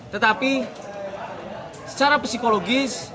tetapi secara psikologis